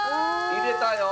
入れたよ。